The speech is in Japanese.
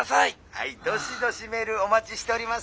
「はいどしどしメールお待ちしております」。